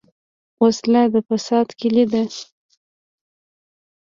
وسله د فساد کلي ده